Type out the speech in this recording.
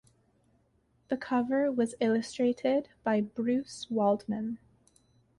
The cover was illustrated by Bruce Waldman.